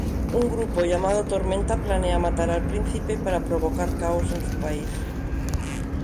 Un grupo llamado tormenta planea matar al príncipe para provocar caos en su país.